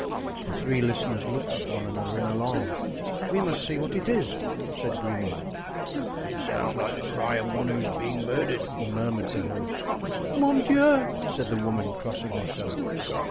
The three listeners looked at one another in alarm. "We must see what it is," said Grimaud. "It sounds like the cry of one who is being murdered," murmured the host. "Mon Dieu!" said the woman, crossing herself.